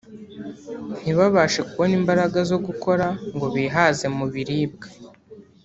ntibabashe kubona imbaraga zo gukora ngo bihaze mu biribwa